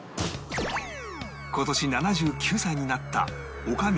今年７９歳になった女将の宮川さん